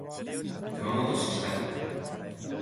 熊本市北区